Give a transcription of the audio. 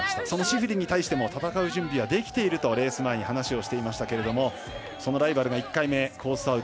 そのシフリンに対しても戦う準備はできているとレース前に話をしていましたけれどもそのライバルが１回目コース